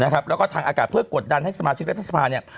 แล้วก็ทางอากาศเพื่อกดดันให้สมาชิกรัฐสภาเนี่ย